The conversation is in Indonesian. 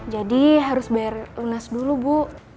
jadi harus bayar lunas dulu bu